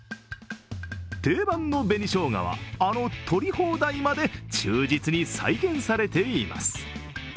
定番の紅しょうがは、あの取り放題まで忠実に再現されています。